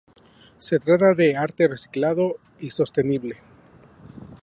Se trata de arte reciclado y sostenible.